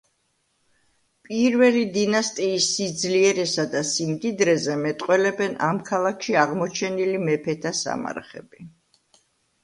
პირველი დინასტიის სიძლიერესა და სიმდიდრეზე მეტყველებენ ამ ქალაქში აღმოჩენილი მეფეთა სამარხები.